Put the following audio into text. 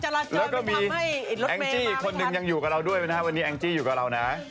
แล้วก็มีแองจี้อีกคนนึงยังอยู่กับเราด้วยนะครับวันนี้แองจี้อยู่กับเรานะ